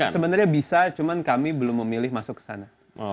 sebenarnya bisa cuma kami belum memilih masuk ke sana